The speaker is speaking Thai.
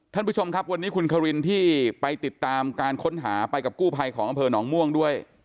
ท่านผู้ชมครับวันนี้คุณควินที่ไปติดตามการค้นหาไปกับกู้ภัยของอำเภอหนองม่วงด้วย